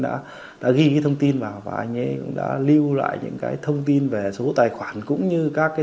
đã đã ghi thông tin vào và anh ấy đã lưu lại những cái thông tin về số tài khoản cũng như các các